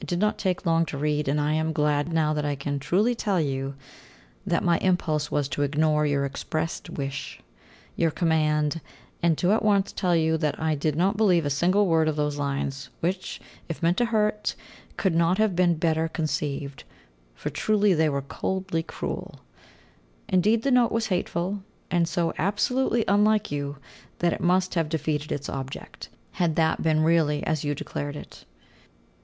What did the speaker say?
It did not take long to read, and I am glad now that I can truly tell you that my impulse was to ignore your expressed wish, your command, and to at once tell you that I did not believe a single word of those lines, which, if meant to hurt, could not have been better conceived, for truly they were coldly cruel. Indeed, the note was hateful, and so absolutely unlike you, that it must have defeated its object, had that been really as you declared it.